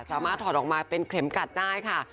ถอดออกมาเป็นเข็มกัดได้ค่ะ